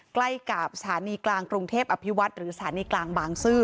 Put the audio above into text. ใกล้กับสถานีกลางกรุงเทพอภิวัฒน์หรือสถานีกลางบางซื่อ